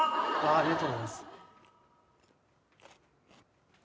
ありがとうございます。